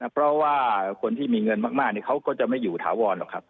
เพราะว่าคนที่มีเงินมากเขาก็จะไม่อยู่ถาวรหรอกครับ